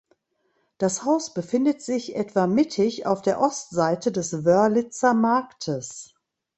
Das Haus befindet sich etwa mittig auf der Ostseite des Wörlitzer Marktes.